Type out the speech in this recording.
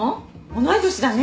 同い年だね。